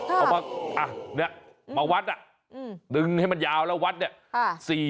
เอามาอ่ะนี่มาวัดดึงให้มันยาวแล้ววัดนี่